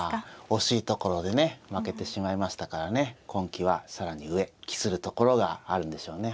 惜しいところでね負けてしまいましたからね今期は更に上期するところがあるんでしょうね。